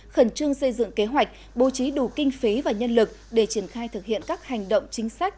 khẩn trương xây dựng kế hoạch bố trí đủ kinh phí và nhân lực để triển khai thực hiện các hành động chính sách